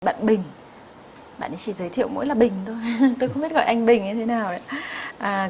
bạn bình bạn ấy chỉ giới thiệu mỗi là bình thôi tôi không biết gọi anh bình như thế nào đấy